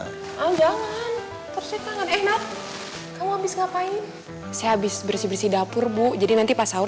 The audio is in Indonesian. enggak enggak enggak kamu habis ngapain saya habis bersih bersih dapur bu jadi nanti pasal